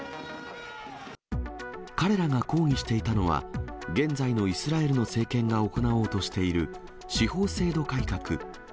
彼らが抗議していたのは、現在のイスラエルの政権が行おうとしている司法制度改革。